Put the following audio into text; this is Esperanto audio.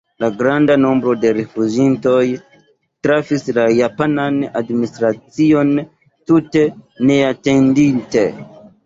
La granda nombro de rifuĝintoj trafis la japanan administracion tute neatendite.